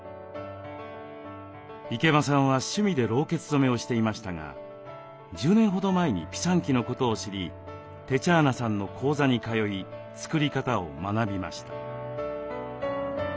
池間さんは趣味でろうけつ染めをしていましたが１０年ほど前にピサンキのことを知りテチャーナさんの講座に通い作り方を学びました。